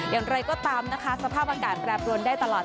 อย่างไรก็ตามนะคะสภาพอากาศแปรปรวนได้ตลอด